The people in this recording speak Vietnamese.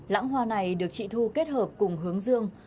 lãng hoa này được chị thu kết hợp cùng hướng dương